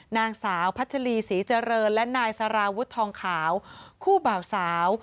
นางสาวพัชรีศรีเจริญและนายสารวุฒิทองขาวคู่บ่าวสาว